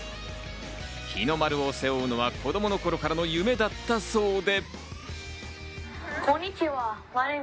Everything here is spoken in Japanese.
日の丸を背負うのは子供の頃からの夢だったそうで。